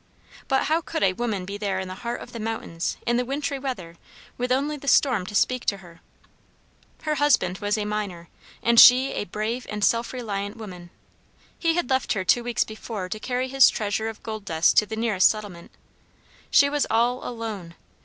But how could a woman be there in the heart of the mountains in the wintry weather, with only the storm to speak to her? Her husband was a miner and she a brave and self reliant woman. He had left her two weeks before to carry his treasure of gold dust to the nearest settlement She was all _alone!